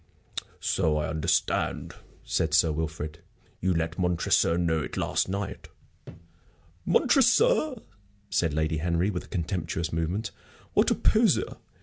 "So I understand," said Sir Wilfrid; "you let Montresor know it last night." "Montresor!" said Lady Henry, with a contemptuous movement. "What a poseur!